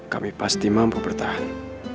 kami pasti mampu bertahan